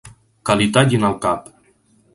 Que li tallin el cap!